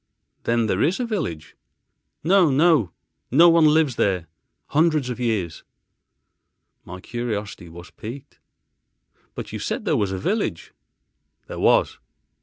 "Then there is a village?" "No, no. No one lives there hundreds of years." My curiosity was piqued, "But you said there was a village." "There was."